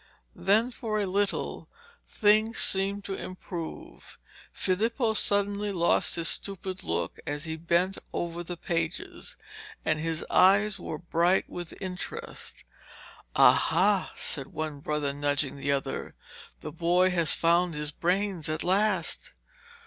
Then for a little things seemed to improve. Filippo suddenly lost his stupid look as he bent over the pages, and his eyes were bright with interest. 'Aha!' said one brother nudging the other, 'the boy has found his brains at last.'